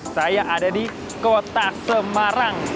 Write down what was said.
saya ada di kota semarang